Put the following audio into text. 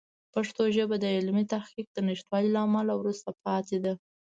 پښتو ژبه د علمي تحقیق د نشتوالي له امله وروسته پاتې ده.